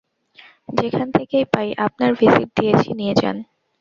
যেখান থেকেই পাই, আপনার ভিজিট দিয়েছি, নিয়ে যান।